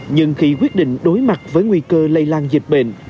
nhưng khi quyết định đối mặt với nguy cơ lây lan dịch bệnh